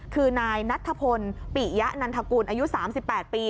คือนายนัทธพลปิยะนันทกุลอายุ๓๘ปี